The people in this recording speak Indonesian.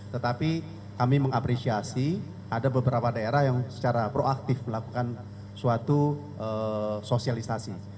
tetapi kami mengapresiasi ada beberapa daerah yang secara proaktif melakukan suatu sosialisasi